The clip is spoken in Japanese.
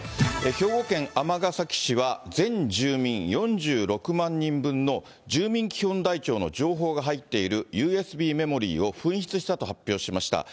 兵庫県尼崎市は、全住民４６万人分の住民基本台帳の情報が入っているＵＳＢメモリーを紛失したと発表しました。